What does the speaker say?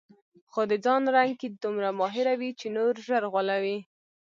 خو د ځان رنګ کې دومره ماهره وي چې نور ژر غولوي.